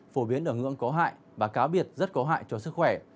phổ biến ở ngưỡng có hại và cá biệt rất có hại cho sức khỏe